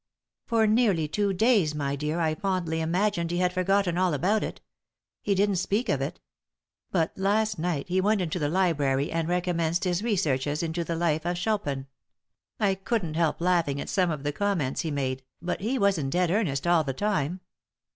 '" "For nearly two days, my dear, I fondly imagined he had forgotten all about it. He didn't speak of it. But last night he went into the library and recommenced his researches into the life of Chopin. I couldn't help laughing at some of the comments he made, but he was in dead earnest all the time.